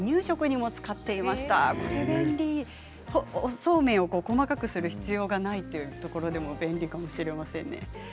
そうめんを細かくする必要がないというところでも便利かもしれませんね。